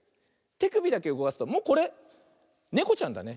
てくびだけうごかすともうこれねこちゃんだね。